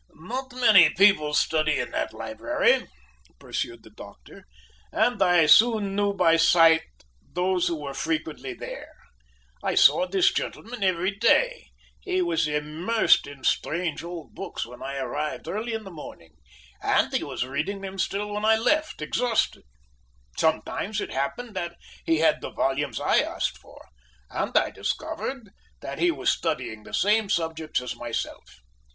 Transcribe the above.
"Not many people study in that library," pursued the doctor, "and I soon knew by sight those who were frequently there. I saw this gentleman every day. He was immersed in strange old books when I arrived early in the morning, and he was reading them still when I left, exhausted. Sometimes it happened that he had the volumes I asked for, and I discovered that he was studying the same subjects as myself.